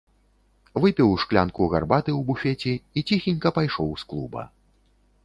Выпіў шклянку гарбаты ў буфеце і ціхенька пайшоў з клуба.